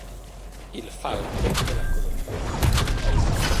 Il falco e la colomba